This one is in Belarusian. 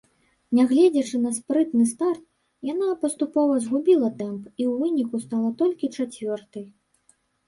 Нягледзячы на спрытны старт яна паступова згубіла тэмп і ў выніку стала толькі чацвёртай.